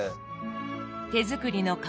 手作りの皮。